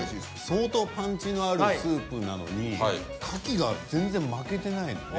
相当パンチのあるスープなのにカキが全然負けてないのよね。